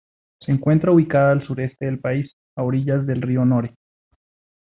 Se encuentra ubicada al sureste del país, a orillas del río Nore.